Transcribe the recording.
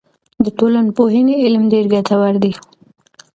د ټولنپوهنې علم ډېر ګټور دی.